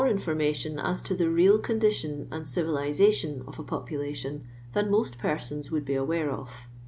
information as to the real condition and civiliKition of a popuiutiuii than nio«t persons wimld btf awuro <if.